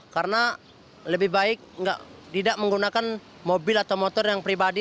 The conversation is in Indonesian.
karena lebih baik tidak menggunakan mobil atau motor yang pribadi